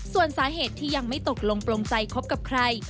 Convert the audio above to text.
ส่วนสาเหตุที่ยังไม่ตกลงโปรงใจคบกับใคร